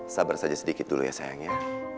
sabar saja sedikit dulu ya sayang ya